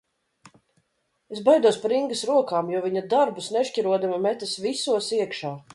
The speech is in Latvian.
Es baidos par Ingas rokām, jo viņa darbus nešķirodama, metas visos iekšā.